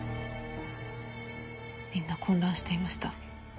みんな混乱していました。